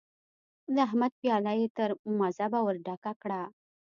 د احمد پياله يې تر مذبه ور ډکه کړه.